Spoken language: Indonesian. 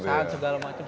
perpisahan segala macem